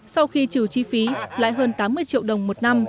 sau khi trừ chi phí lại hơn tám mươi triệu đồng